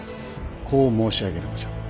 こう申し上げるのじゃ。